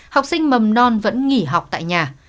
học sinh mầm non vẫn nghỉ học tại nhà